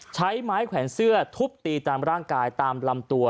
ใช้ไม้แขวนเสื้อทุบตีตามร่างกายตามลำตัว